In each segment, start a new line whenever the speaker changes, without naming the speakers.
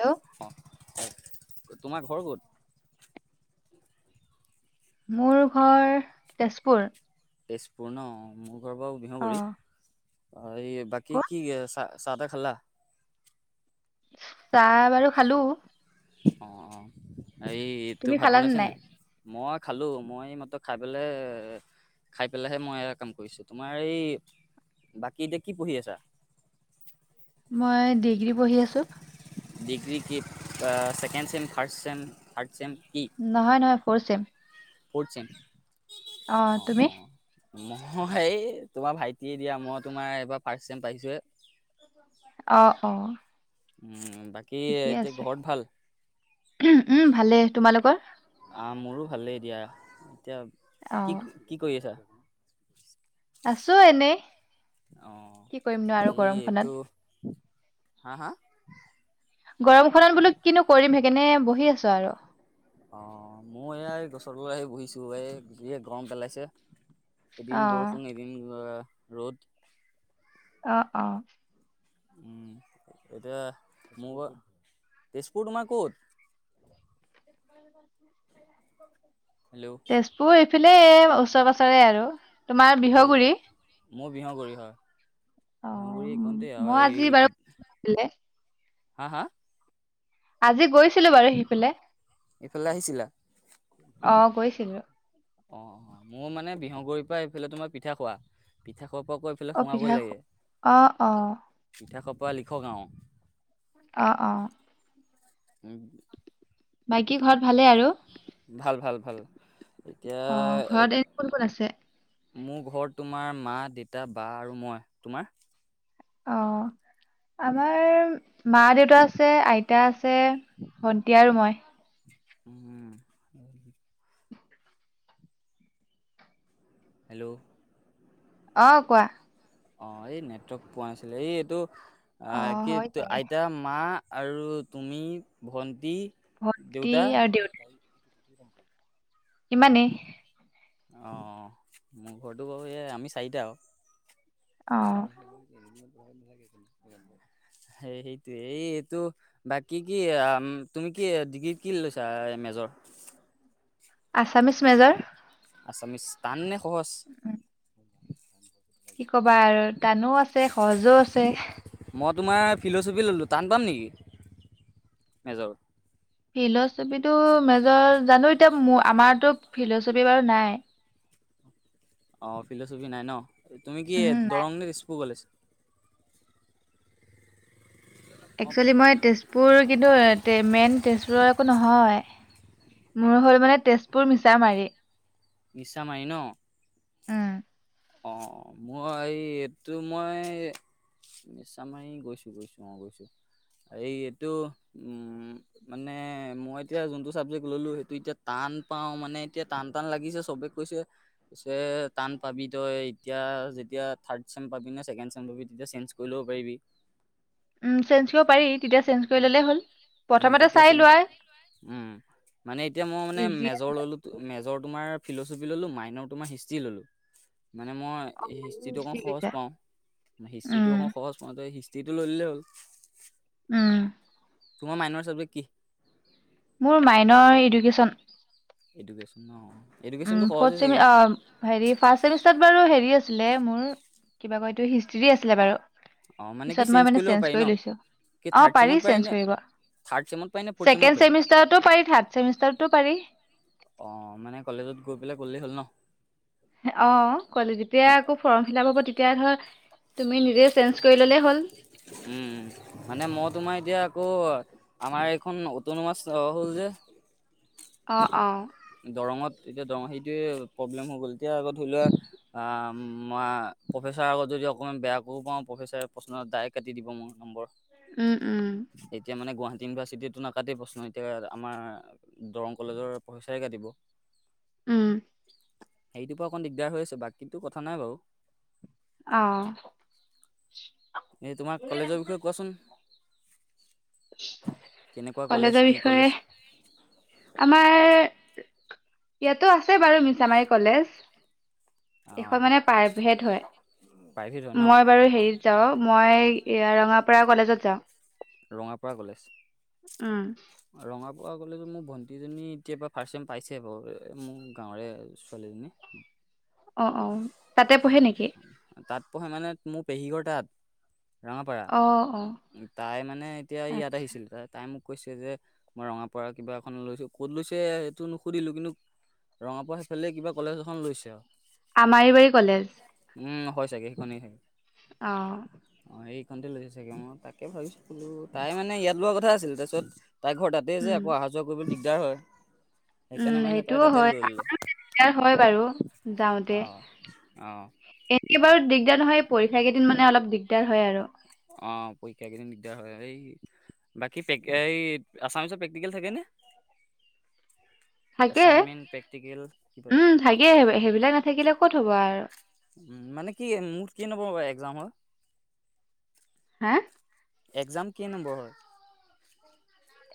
Hello
অ তোমাৰ ঘৰ ক'ত
মোৰ ঘৰ, তেজপুৰ।
তেজপুৰ ন মোৰ ঘৰ বাৰু বিহুগুৰি
অ'।
অ এই বাকী
ক'ত?
কি চ চাহ-তাহ খালা?
চাহ বাৰু খালো
অ অ এইটো
তুমি
ভাত
খালানে
বনাইছে
নাই?
নে মই খালো, মই এইমাত্ৰ খাই পেলাই খাই পেলাইহে মই এটা কাম কৰিছো তোমাৰ এই বাকী এতিয়া কি পঢ়ি আছা?
মই ডিগ্ৰী পঢ়ি আছো।
ডিগ্ৰী কি? Second sem, first sem, third sem? কি?
নহয় নহয়, ফৰ ছেম।
ফৰ্থ ছেম,
তুমি?
অ', অ'। মই এই তোমাৰ ভাইটিয়ে দিয়া, মই তোমাৰ এইবাৰ ফাৰ্ষ্ট ছেম পাইছোহে।
অ অ।
উম। বাকী
ঠিকেই
এতিয়া
আছে,
ঘৰত ভাল?
উম ভালেই, তোমালোকৰ?
আহ, মোৰো ভালেই দিয়া, এতিয়া
অ'।
কি-কি কৰি আছা?
আছো এনেই,
অ
কি কৰিম নো আৰু
এই এইটো
গৰমখনত।
হা হা?
গৰমখনত বোলো কিনো কৰিম সেইকাৰনে বহি আছো আৰু।
অ মই এই এই গছৰ বৰ আহি বহিছো এই গৰম পেলাইছে এদিন
অ',
বৰষুণ এদিন অ ৰ'দ।
অ', অ'।
উম এতিয়া মোৰ ঘৰ, তেজপুৰ তোমাৰ ক'ত? হেল্ল'
তেজপুৰ এইফালে ওচৰে পাজৰে আৰু। তোমাৰ বিহগুৰি।
মোৰ বিহগুৰি হয়,
অ'
বিহগুৰি
উম,
এইকণটে
মই
আৰু
আজি
এই
বাৰু
বিট হা হা?
আজি গৈছিলো বাৰু সিফালে।
এইফালে আহিছিলা?
অ', গৈছিলো।
অ', অ', মোৰ মানে বিহগুৰিৰ পৰা এইফালে তোমাৰ পিঠাখোৱা, পিঠা [unintelligible] পৰা আকৌ এইফালে
অ
সোমাব
পিঠা খ-
লাগে,
অ অ
পিঠাখোৱা পৰা লিখগাওঁ।
অ অ
[unintelligible]
বাকী ঘৰত ভালেই আৰু।
ভাল ভাল ভাল এতিয়া
অ',
এক-
ঘৰত [unintelligible] কোন কোন আছে?
মোৰ ঘৰত তোমাৰ মা, দেতা, বা আৰু মই। তোমাৰ?
অ আমাৰ মা দেউতা আছে, আইতা আছে ভণ্টি আৰু মই।
উম। হেল্ল'!
অ', কোৱা।
অ এই নেটৱৰ্ক পোৱা নাছিলে, এই এইটো অ কি
হয় চাগে
আইতা মা আৰু তুমি, ভণ্টি,
ভন্টি
দেউতা।
ইমানে।
অ', মোৰ ঘৰটো বাৰু এয়াই আমি চাৰিটা আৰু।
অ
[unintelligible] হেই সেইটোয়ে এইটো বাকী কি আ, তুমি কি ডিগ্ৰী কি লৈছা? এম জৰ
আছামিছ মেজৰ।
আছামিছ টাননে সহজ?
উম, কি কবা আৰু টানো আছে সহজো আছে।
মই তোমাৰ ফিল'চফি ল'লোঁ, টান পাম নেকি মেজৰ?
ফিল'চফিটো মেজৰ জানোঁ, এতিয়া মো-আমাৰতো ফিল'চফি বাৰু নাই। [inaudible]
অ ফিলচফি নাই ন তুমি কি
উম
দৰংপু [unintelligible]
একচুৱেলি মই তেজপুৰ কিন্তু, মেইন তেজপুৰৰ একো নহয়। মোৰ হ'ল মানে তেজপুৰ মিছা মাৰি।
নিছামাই ন [unintelligible]
উম,
অ মই এইটো মই, নিশ মাৰি গৈছো গৈছো অ গৈছো [unintelligible] এই এইটো উম মানে মই এতিয়া যোনটো চাবজেক্ট ললো, সেইটো এতিয়া ত টান পাও মানে এতিয়া টান টান লাগিছে চবে কৈছে যে টান পাবি। তই এতিয়া যেতিয়া থাৰ্ড চেম পাবি নে ছেকেণ্ড চেম পাবি তেতিয়া চেঞ্জ কৰি ল'ব পাৰিবি [unintelligible]
উম চেঞ্জ কৰিব পাৰি তেতিয়া চেঞ্জ কৰি
উম
ল'লেই হ'ল
উম
প্ৰথমতে
তেতিয়া
চাই
চেঞ্জ
লোৱা
উম, মানে এতিয়া মই মানে
ইজি
মেজৰ ললো মেজৰ তোমাৰ, ফিলচফি ল'লো মাইনৰ তোমাৰ হিষ্ট্ৰী ললো [unintelligible] মানে মই অকণ
ইজি
সহজ
লিখা।
পাওঁ। হিষ্ট্ৰীটো
উম,
অকণ সহজ পাওঁ, যে হিষ্ট্ৰী টি টো লৈলে হ'ল
উম [unintelligible]
তোমাৰ মাইনৰ চাব্জেক্ট কি,
মোৰ মাইনৰ এডুকেশ্যন [inaudible]
এডুকেশ্যন ন এডুকেশ্যনটো
[unintelligible]
সহজে
আছিলে
চাগে
মোৰ, কিবা কয় এইটো হিষ্টী আছিলে বাৰু,
অ কি
পিছত মই মানে
ল'ব
চেঞ্জ
পাৰি ন
কৰি লৈছো।
কি
অ
থাৰ্ড
পাৰি
চেমত নে
চেঞ্জ কৰিব
থাৰ্ড চেমত পাৰি নে ফ'ৰ্থ চেমত
ছেকেণ্ড
পাৰি
চেমিষ্টাৰতো পাৰি থাৰ্ড চেমিষ্টাৰতো পাৰি।
অ মানে কলেজত গৈ পেলাই গলেই হ'ল ন [unintelligible]
অ ক'লে
ত
যেতিয়া আকৌ ফৰ্ম ফিলাপ হ'ব তেতিয়া ধৰ তুমি নিজে চেঞ্জ কৰি ললেই হ'ল
উম মানে মই তোমাৰ এতিয়া আকৌ [unintelligible] আমাৰ এইখন অতু ন মাছ হ'ল যে
অ অ [unintelligible]
দৰঙত এতিয়া দৰঙ সেইটোৱে প্ৰব্লেম হৈ গ'ল এতিয়া আকৌ ধৰি লোৱা, উ মই প্ৰফেচাৰ আগত যদি অকমান বেয়া কৈও পাওঁ প্ৰফেচাৰ প্ৰশ্ন ডাইৰেক্ট কাটি দিব মোৰ নম্বৰ [unintelligible]
উম উম
ইউভাৰ্চিটিটো নাকাটি প্ৰশ্ন এতিয়া আমাৰ দৰং কলেজৰ প্ৰফেচাৰে কাটিব।
উম [unintelligible]
সেইটোৰ পৰা অকণ দিগদাৰ হৈ আছে বাকীতো কথা নাই বাৰু,
আহ [unintelligible]
এই তোমাক কলেজৰ বিষয়ে কোৱাচোন। কেনেকুৱা কলেজ,
কলেজৰ
কি
বিষয়ে
কলেজ
আমাৰ ইয়াতো আছে বাৰু মিছামাৰী কলেজ [unintelligible]
অঁ
এখন মানে পাইভেদ হয়।
প্ৰাইভেট হয় ন
মই বাৰু হেৰি যাও, মই ৰঙাপাৰা কলেজত যাওঁ।
ৰঙাপাৰা কলেজ
উম
ৰঙা [unintelligible] কোৱা গ'লে যে, মোৰ ভণ্টীজনী এতিয় পৰা ফাৰ্ষ্ট টাইম পাইছে। বাৰু মোৰ গাঁৱৰে ছোৱালীজনী
অ অ তাতে পঢ়ে নেকি
তাত পঢ়ে মানে মোৰ পেহীঘৰ তাত [unintelligible] ৰঙাপাৰা,
অ অ
তাই মানে এতিয়া ইয়াত
আচ্ছা
আহিছিল ত তাই মোক। কৈছে যে মই ৰঙা পাৰ কিবা এখন লৈছো ক'ত লৈছে সেইটো নুসুধিলো কিন্তু [unintelligible] ৰঙা পৰা সেইফালে কিবা কলেজ এখন লৈছে অ
আমাৰিবাৰী কলেজ।
হয় চাগে সেইখনেই চাগে
আহ,
[unintelligible] তাকে ভাবছো [unintelligible] তাই মানে ইয়াত লোৱা কথা আছিলে। তাৰপিছত তাইৰ ঘৰ তাতেই যে
উম
আকৌ অহা যোৱা কৰিব দিগদাৰ হয়।
উম
সেইকাৰণে মানে তাই
সেইটোও
তাতে
হয়
লৈলো।
দিগদাৰ হয় বাৰু [unintelligible] [unintelligible] এতিয়া বাৰু
অ
দিগদাৰ নহয়, এই পৰীক্ষা কেইদিন মানে অলপ দিগদাৰ হয়, আৰু।
অ', পৰীক্ষা কেদিন দিগদাৰ হয়ে এই বাকী প্ৰে-এই আছামিছৰ প্ৰেক্টিকেল থাকেনে?
থাকে।
এছাইনমেণ্ট প্ৰেক্টিকেল কিবা
উম, থাকে সেই-সেইবিলাক নাথাকিলে ক'ত হ'ব আৰু।
উম, মানে কি মুঠ কি নম্বৰ একজামৰ হয়?
হা
একজাম কেই নম্বৰ হয়?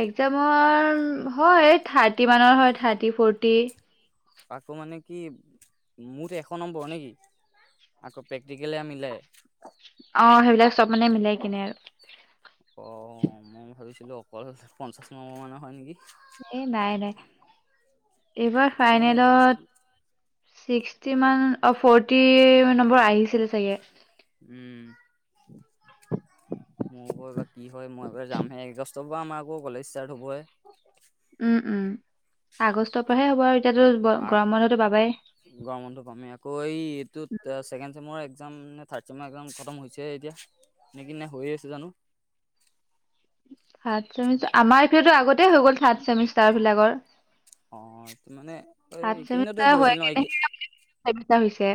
একজামৰ হয়, থাৰ্টি মানৰ হয়, থাৰ্টি, ফৰটি।
আকৌ মানে কি মুঠ এশ নম্বৰ নেকি? আকৌ প্ৰেক্টিকেলে মিলাই?
অ', সেইবিলাক চব মানে মিলাই কিনে আৰু।
অ মই ভাবিছিলোঁ অকল পঞ্চাছ নম্বৰ মানৰ হয়, নেকি।
এ নাই নাই এইবাৰ
সেয়ে মই ভাবিছোঁ
ফাইনেলত ছিক্সটি মান অ ফৰটি নম্বৰ আহিছিলে চাগে
উম মোৰ এইবাৰ কি হয় মই এইবাৰ যামহে আগষ্টৰ পৰা আমাৰ আকৌ কলেজ ষ্টাৰ্ট হবই
উম উম আগষ্টৰ পৰাহে হ'ব আৰু এতিয়াতো ব-
আ
গৰম বন্ধতো পাবাই
গৰমটো কমি আকৌ এই এইটো এতিয়া ছেকেণ্ড চেমৰ এক্জাম নে থাৰ্ড চেমৰ একজাম খতম হৈছে এতিয়া নে কি নে হৈয়ে আছে জানোঁ।
থাৰ্ড চেমিষ্টাৰ আমাৰ এটোতো আগতে হৈ গ'ল থাৰ্ড চেমিষ্টাৰ বিলাকৰ
অ মানে এই
থাৰ্ড
এইকেইদিনতে
চেমিষ্টাৰ
হৈ আছিল ন কি
কেনেহে চেমিষ্টাৰ হৈছে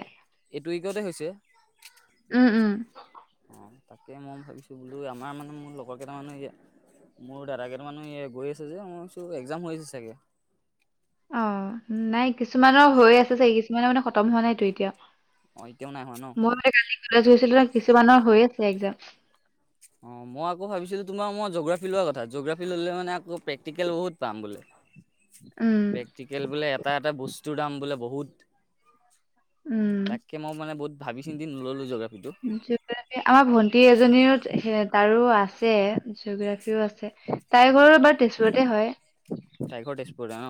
এইটো উইকতে হৈছে
উম উম
অ তাকে মই ভাবিছোঁ বোলোঁ আমাৰ মানে মোৰ লগৰ কেইটা মানৰ ইয়া মোৰ দাদা কেইটা মান গৈ আছে যে মই ভাবিছোঁ একজাম হৈ আছে চাগে
অ নাই কিছুমানৰ হৈ আছে চাগে কিছুমানৰ মানে খতম হোৱা নাইতো এতিয়া
অ এতিয়াও নাই হোৱা ন
মই মানে কালি কলেজ গৈছিলোঁ যে কিছুমানৰ হৈ আছে একজাম
অ মই আকৌ ভাবিছিলোঁ তোমাৰ মই জোগ্ৰাফি লোৱা কথা জোগ্ৰাফি ল'লে মানে আকৌ প্ৰেক্টিকেল বহুত পাম ব
উম
প্ৰেক্টিকেল বোলে এটা এটা বস্তুৰ দাম বোলে বহুত
উম
তাকে মই মানে বহুত ভাবি চিন্তি নললো জিঅগ্ৰাফীটো
জিঅ'গ্ৰাফী আমাৰ ভন্টি এজনীৰো তাৰো আছে জিঅগ্ৰাফিও আছে তাইৰ ঘৰো বা তেজপুৰতে হয়
তাইৰ ঘৰ তেজপুৰতে ন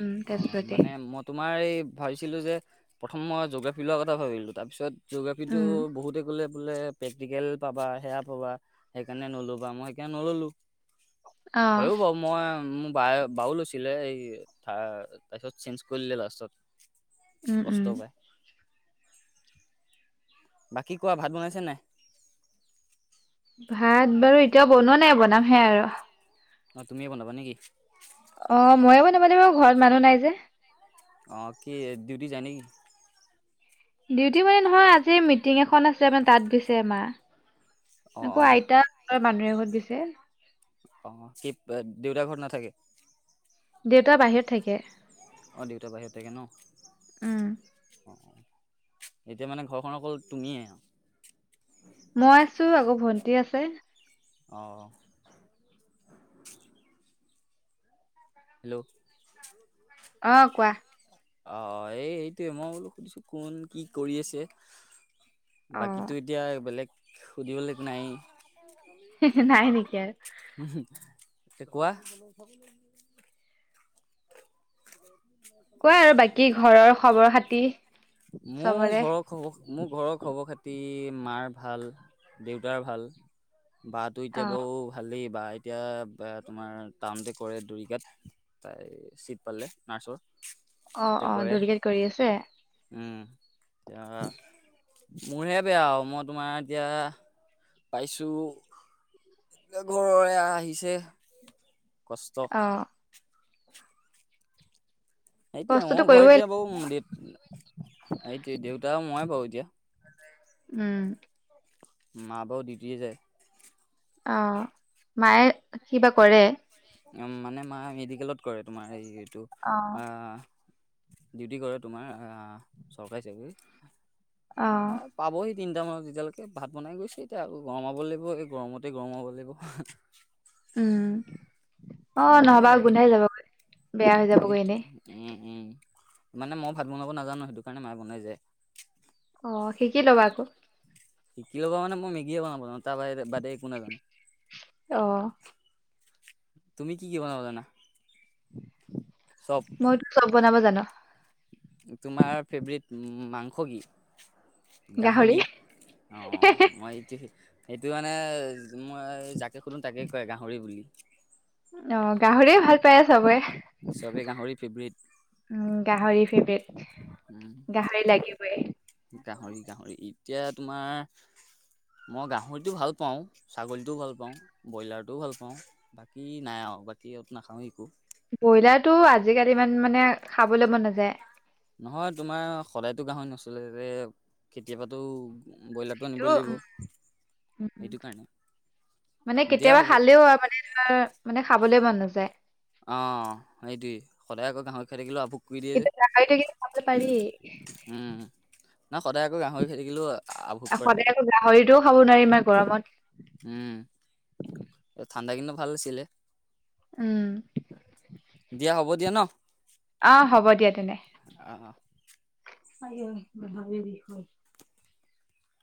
উম
অঁ
তেজপুৰতে
মানে মই তোমাৰ এই ভাবিছিলোঁ যে প্ৰথম মই জিঅ'গ্ৰাফী লোৱা কথা ভাবিলোঁ তাৰপিছত জিঅ'গ্ৰাফীটো
উম
বহুতেই ক'লে বোলে প্ৰেক্টিকেল পাবা সেয়া পাবা সেইকাৰণে নলবা মই সেইকাৰণে নললোঁ
অ
হয়ো বাৰু মই উম বা বাও লৈছিলে, এই তাৰপিছত চেঞ্জ কৰিলে লাষ্টত।
উম উম।
কষ্ট পাই। বাকী কোৱা ভাত বনাইছে নাই?
ভাত বাৰু এতিয়া বনোৱা নাই, বনামহে আৰু।
অ', তুমিয়ে বনাবা নেকি?
অ', মই বনাম মানে মই ঘৰত মানুহ নাই যে।
অ', কি ডিউটি যায় নেকি?
ডিউটি মানে নহয় আজি মিটিং এখন আছে মানে তাত গৈছে মা।
অ
আকৌ
অ
আইতা ওচৰৰে মানুহ এঘৰত গৈছে।
অ', কি দেউতা ঘৰত নাথাকে?
দেউতা বাহিৰত থাকে।
অ, দেউতা বাহিৰত থাকে ন
উম
অ, এতিয়া মানে ঘৰখনত অকল তুমিয়েই আৰু।
মই আছোঁ, আকৌ ভণ্টি আছে।
অ'। হেল্ল'
অ', কোৱা।
অ', এই এইটোৱে মই বোলো সুধিছো কোন কি কৰি আছে।
অ
বাকীটো এতিয়া বেলেগ সুধিবলৈ একো নাই।
নাই নেকি আৰু?
তে কোৱা
কোৱা আৰু বাকী ঘৰৰ খবৰ খাতি।
মোৰ
চবৰে
ঘৰৰ খব মোৰ ঘৰৰ খবৰ খাত প্ৰতি মাৰ ভাল দেউতাৰ ভাল বাটো
অ
এতিয়া বাৰু ভালেই। বা এতিয়া তোমাৰ টাউনতে কৰে দুৰিকাত তাই চিট পালে নাৰ্ছৰ।
অ',
তাতে
অ',
কৰে
[unintelligible] কেট কৰি আছে।
উম, দিয়া মোৰহে বেয়া আৰু মই তোমাৰ এতিয়া পাইছোঁ, ঘৰৰে এয়া আহিছে। কষ্ট।
অ
সেইটোৱে
কষ্টটো
মোৰ ঘৰত
কৰিবই
এতিয়া
লাগে।
বাৰু দে এইটো দেউতা মই বাৰু এতিয়া।
উম।
মা বাৰু দিউটিয়ে যায়।
অ', মায়ে কিবা কৰে।
মানে মা মেডিকেলত কৰে তোমাৰ এই এইটো,
অ
আ ডিউটি কৰে তোমাৰ আহ, চৰকাৰী চাকৰি
অ
পাবহি তিনিটামানত যেতিয়ালৈকে ভাত বনাই গৈছে এতিয়া, গৰমাব লাগিব এই গৰমতে গৰমাব লাগিব।
উম, অ নহবা
সেয়াই
গোন্ধাই যাবগৈ, বেয়া হৈ যাবগৈ এনেই।
উম, উম, মানে মই ভাত বনাব নাজানো, সেইটো কাৰণে মায়ে বনাই যায়।
অ', শিকি লবা আকৌ।
শিকি ল'বা মানে, মই মেগীয়ে বনাব জানো, তাৰ বাহিৰে বাদে একো নাজানো।
অ'।
তুমি কি - কি বনাব জানা? চব
মইতো চব বনাব জানো।
তোমাৰ ফেভৰেট মাংস কি? গাহৰি- অ' মই এইটো সে- সেইটো মানে যোন মই যাকে সোধো, তাকে কয় গাহৰি বুলি।
অ', গাহৰিয়ে ভাল পায় চবে।
চবে গাহৰি ফেভৰেট।
উম গাহৰি ফেভৰেট
উম,
গাহৰি লাগিবই
গাহৰি - গাহৰি। এতিয়া তোমাৰ মই গাহৰিটো ভাল পাওঁ, ছাগলীটোও ভাল পাওঁ, ব্ৰইলাৰটোও ভাল পাওঁ, বাকী নাই আও। বাকী ইয়ত নাখাওঁ একো।
ব্ৰইলাৰটো আজিকালি ইমান মানে খাবলৈ মন নাযায়।
নহয়, তোমাৰ সদায়তো গাহৰি নচলে ৰে, কেতিয়াবাতো ব্ৰইলাৰটো
টো
আনিবই লাগিব,
উম উম
সেইটো কাৰণে।
মানে
দিয়া
কেতিয়াবা
হ'ব।
খালেও আৰু মানে [unintelligible] মানে খাবলৈ মন নাযায়।
অ', সেইটোৱেই, সদায় আকৌ গাহৰি খাই থাকিলেও আভোক কৰি দিয়ে যে,
কিন্তু গাহৰি থাকিলে খাব পাৰি।
নাই সদায় আকৌ গাহৰি খাই থাকিলেও আভোক
আৰু
কৰে,
সদায় আকৌ গাহৰিটোও খাব নোৱাৰি ইমান গৰমত।
উম, ঠাণ্ডা কিন্তু ভাল আছিলে।
উম।
দিয়া হ'ব দিয়া ন'
আহ, হ'ব দিয়া তেনে।
অ'।
[unintelligible]